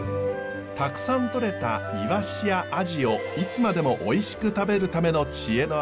たくさんとれたイワシやアジをいつまでもおいしく食べるための知恵の味